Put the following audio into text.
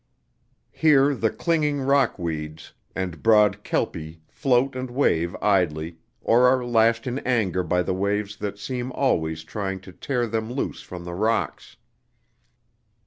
Here the clinging rock weeds and broad kelpie float and wave idly or are lashed in anger by the waves that seem always trying to tear them loose from the rocks.